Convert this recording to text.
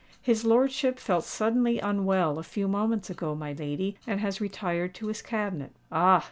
"His lordship felt suddenly unwell a few moments ago, my lady, and has retired to his cabinet." "Ah!